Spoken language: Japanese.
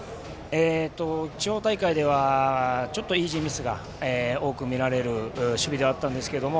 地方大会では、ちょっとイージーミスが多く見られる守備ではあったんですけれども。